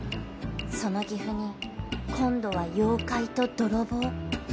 その岐阜に今度は妖怪と泥棒